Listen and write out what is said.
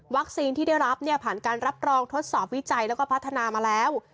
วัคซีนที่ได้รับผ่านการรับรองทดสอบวิจัยและพัฒนามาแล้ว